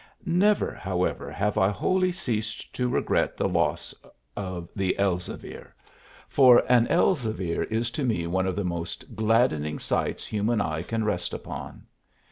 Never, however, have I wholly ceased to regret the loss of the Elzevir, for an Elzevir is to me one of the most gladdening sights human eye can rest upon.